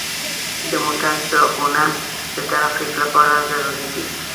د موټرو څراغونه د ترافیک لپاره ضروري دي.